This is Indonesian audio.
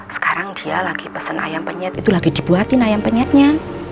sekarang dia lagi pesen ayam penyet itu lagi dibuatin ayam penyetnya